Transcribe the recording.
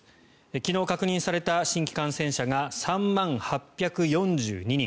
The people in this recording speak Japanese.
昨日確認された新規感染者が３万８４２人。